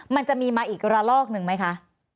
มันจะมีมาอีกระลอกหนึ่งไหมคะ